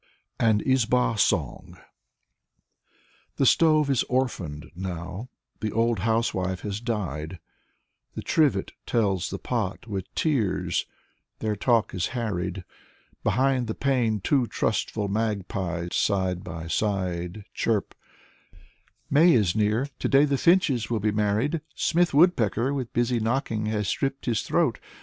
by Avrahm Yarmolinsky. Nikolai Kluyev i6i AN IZBA SONG The stove is orphaned now; the old housewife has died, The trivet tells the pot with tears; their talk is harried. Behind the pane two trustful magpies, side by side, Chirp: " May is near, today the finches will be married. Smith Woodpecker with busy knocking has stripped his throat.